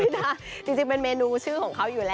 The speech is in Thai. นะจริงเป็นเมนูชื่อของเขาอยู่แล้ว